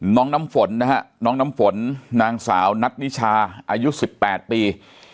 น้องน้ำฝนนะฮะน้องน้ำฝนนางสาวนัทนิชาอายุสิบแปดปี